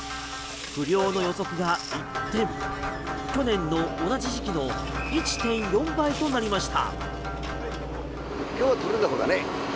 不漁の予測が一転去年の同じ時期の１．４倍となりました。